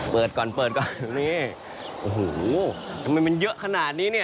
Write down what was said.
เปิดก่อนเปิดก่อนนี่โอ้โหทำไมมันเยอะขนาดนี้เนี่ย